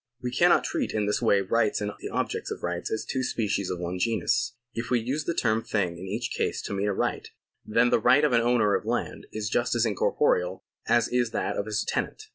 We cannot treat in this way rights and the objects of rights as two species of one genus. If we use the term thing in each case to mean a right, then the right of an owner of land is just as incorporeal as is that of his tenant.